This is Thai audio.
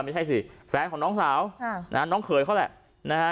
ไม่ใช่สิแฟนของน้องสาวน้องเขยเขาแหละนะฮะ